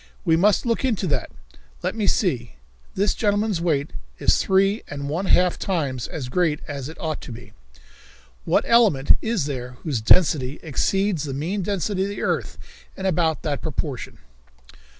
We must look into that. Let me see? This gentleman's weight is three and one half times as great as it ought to be. What element is there whose density exceeds the mean density of the earth in about that proportion?"